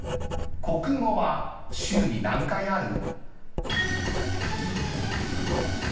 ［国語は週に何回ある？］